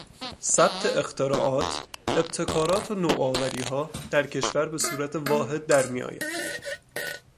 ثبت اختراعات، ابتکارات و نوآوری ها در کشور به صورت واحد در می آید.